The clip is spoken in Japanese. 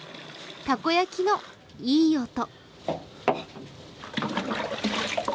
たこ焼きのいい音。